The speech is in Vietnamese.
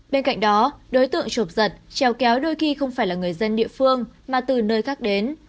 bên cạnh đó đối tượng trộm giật trèo kéo đôi khi không phải là người dân địa phương mà từ nơi khác đến